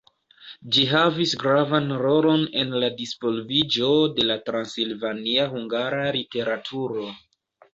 Ĝi havis gravan rolon en la disvolviĝo de la transilvania hungara literaturo.